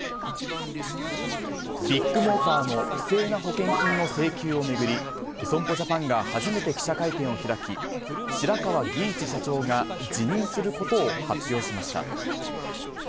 ビックモーターの不正な保険金請求を巡り、損保ジャパンが初めて記者会見を開き、白川儀一社長が辞任することを発表しました。